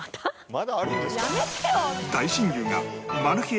まだあるんですか？